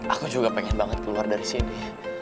aku juga pengen banget keluar dari sini